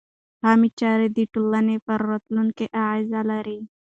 عامه چارې د ټولنې پر راتلونکي اغېز لري.